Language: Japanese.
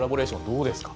どうですか？